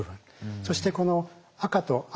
そしてこの赤と青。